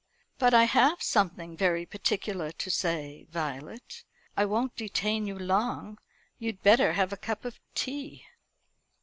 "But I have something very particular to say, Violet. I won't detain you long. You'd better have a cup of tea."